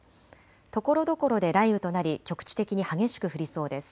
ところどころで雷雨となり局地的に激しく降りそうです。